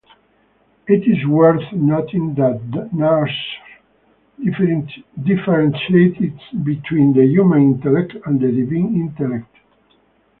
It is worth noting that Nasr differentiates between the human intellect and Divine Intellect.